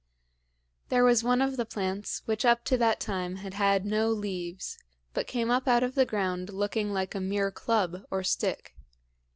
There was one of the plants which up to that time had had no leaves, but came up out of the ground looking like a mere club or stick.